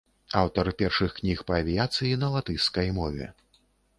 Аўтар першых кніг па авіяцыі на латышскай мове.